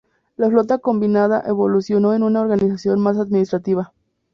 La Flota Combinada evolucionó en una organización más administrativa.